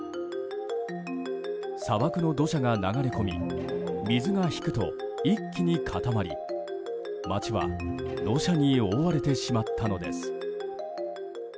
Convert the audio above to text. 砂漠の土砂が流れ込み水が引くと一気に固まり、街は土砂に覆われてしまったのです。